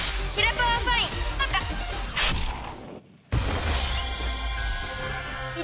はい。